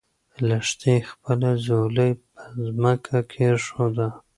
لښتې خپله ځولۍ په ځمکه کېښوده.